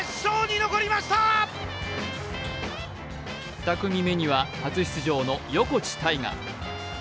２組目には初出場の横地大雅。